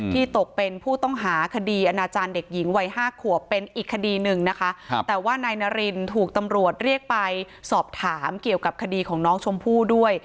ตกเป็นผู้ต้องหาคดีอนาจารย์เด็กหญิงวัยห้าขวบเป็นอีกคดีหนึ่งนะคะแต่ว่านายนารินถูกตำรวจเรียกไปสอบถามเกี่ยวกับคดีของน้องชมพู่ด้วย